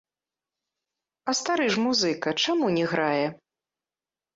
А стары ж музыка чаму не грае?